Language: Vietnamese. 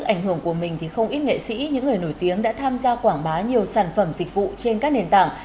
ảnh hưởng của mình thì không ít nghệ sĩ những người nổi tiếng đã tham gia quảng bá nhiều sản phẩm dịch vụ trên các nền tảng